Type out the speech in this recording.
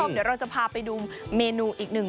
เดี๋ยวเราจะพาไปดูเมนูอีกหนึ่ง